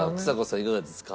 いかがですか？